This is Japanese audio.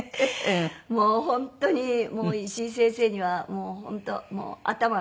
もう本当に石井先生にはもう本当頭が上がりません。